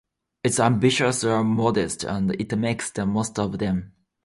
Its ambitions are modest, and it makes the most of them.